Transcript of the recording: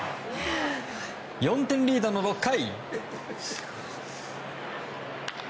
４点リードの６回。